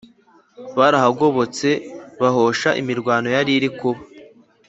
barahagobotse bahosha imirwano yariri kuba